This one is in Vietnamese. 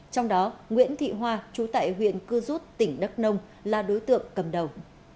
trong đó nguyễn thị hoa chú tại huyện cư rút tỉnh đắk nông là đối tượng cầm đầu